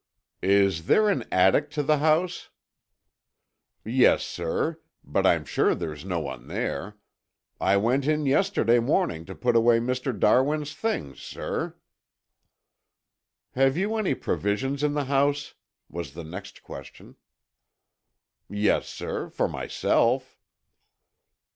"Is there an attic to the house?" "Yes, sir; but I'm sure there's no one there. I went in yesterday morning to put away Mr. Darwin's things, sir." "Have you any provisions in the house?" was the next question. "Yes, sir, for myself."